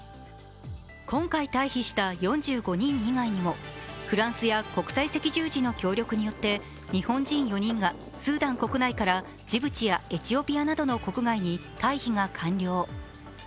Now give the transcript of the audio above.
今回退避した４５人以外にもフランスや国際赤十字の協力によって日本人４人がスーダン国内からジブチやエチオピアなどの国外に退避が完了。